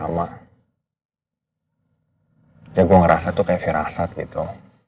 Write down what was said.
sama sama ya gue ngerasa tuh kayak firasat gitu